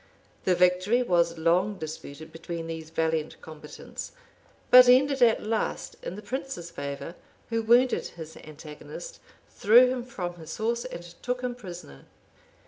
The victory was long disputed between these valiant combatants; but ended at last in the prince's favor, who wounded his antagonist, threw him from his horse, and took him prisoner.